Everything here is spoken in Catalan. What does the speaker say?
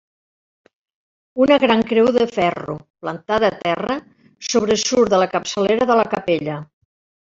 Una gran creu de ferro, plantada a terra, sobresurt de la capçalera de la capella.